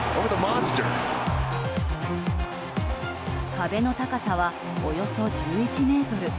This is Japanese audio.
壁の高さはおよそ１１ｍ。